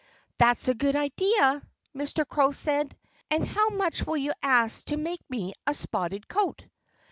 "That's a good idea," Mr. Crow said. "And how much will you ask to make me a spotted coat?"